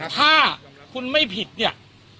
ถ้าคุณไม่ผิดเนี่ย